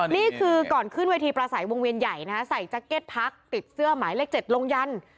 นี่คือก่อนขึ้นเวทีประสัยวงเวียนใหญ่นะฮะใส่แจ็คเก็ตพักติดเสื้อหมายเลข๗ลงยัน